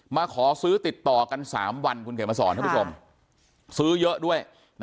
มาขอซื้อติดต่อกัน๓วันคุณเขียนมาสอนท่านผู้ชมซื้อเยอะด้วย